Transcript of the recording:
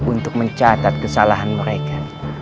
untuk mencatat kesalahan mereka